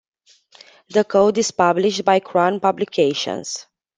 The Code is published by Crown Publications.